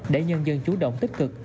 để nhân dân chủ động tích cực